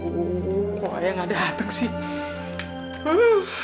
kok ayah gak dateng sih